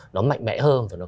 nó mạnh mẽ hơn và nó